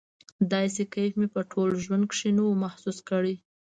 داسې کيف مې په ټول ژوند کښې نه و محسوس کړى.